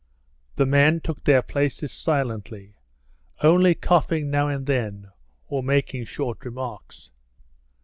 The men took their places silently, only coughing now and then, or making short remarks.